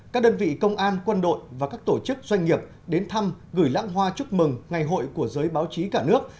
các đơn vị công an quân đội và các tổ chức doanh nghiệp đến thăm gửi lãng hoa chúc mừng ngày hội của giới báo chí cả nước